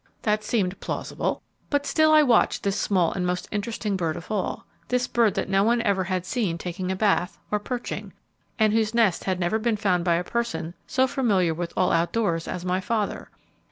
That seemed plausible, but still I watched this small and most interesting bird of all; this bird that no one ever had seen taking a bath, or perching, and whose nest never had been found by a person so familiar with all outdoors as my father.